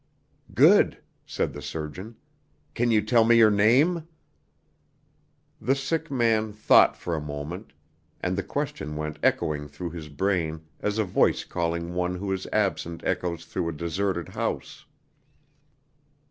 "Good!" said the surgeon. "Can you tell me your name?" The sick man thought for a moment, and the question went echoing through his brain as a voice calling one who is absent echoes through a deserted house.